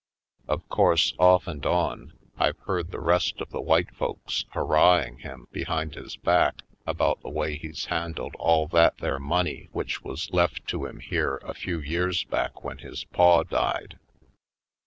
Of course, off and on, I've heard the rest of the white folks hurrahing him behind his back about the way he's handled all that there money which w^as left to him here a few years back when his paw died.